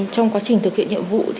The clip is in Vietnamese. trong quá trình thực hiện nhiệm vụ